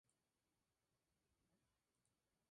Tiene dos hermanas, Ashley y Abigail, y un hermano, Jordan.